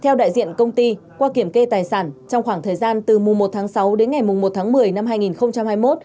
theo đại diện công ty qua kiểm kê tài sản trong khoảng thời gian từ mùa một tháng sáu đến ngày một tháng một mươi năm hai nghìn hai mươi một